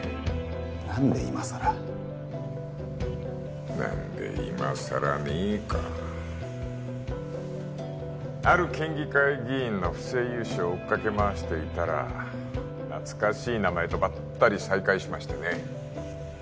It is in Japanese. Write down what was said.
なんで今更なんで今更ねかある県議会議員の不正融資を追っかけ回していたら懐かしい名前とばったり再会しましてね